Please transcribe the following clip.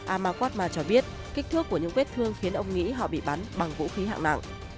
amawatma cho biết kích thước của những vết thương khiến ông nghĩ họ bị bắn bằng vũ khí hạng nặng